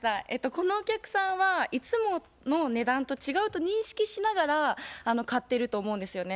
このお客さんはいつもの値段と違うと認識しながら買ってると思うんですよね。